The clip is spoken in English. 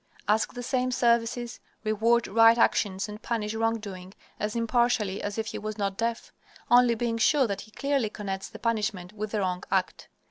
Ask the same services, reward right actions and punish wrongdoing as impartially as if he was not deaf, only being sure that he clearly connects the punishment with the wrong act.